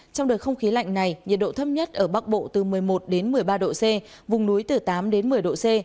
trong đợt không khí lạnh này nhiệt độ thấp nhất ở bắc bộ từ một mươi một đến một mươi ba độ c vùng núi từ tám đến một mươi độ c